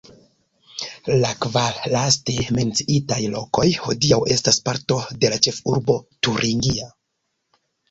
La kvar laste menciitaj lokoj hodiaŭ estas parto de la ĉefurbo turingia.